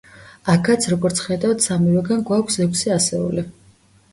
აქაც, როგორც ხედავთ, სამივეგან გვაქვს ექვსი ასეული.